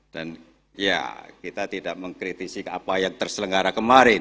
dan ya kita tidak mengkritisi apa yang terselenggara kemarin